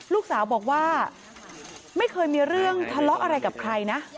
ลูกสาวบอกว่าไม่เคยมีเรื่องทะเลาะอะไรกับใครนะ